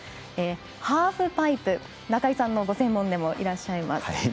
ハーフパイプ、中井さんのご専門でもいらっしゃいます。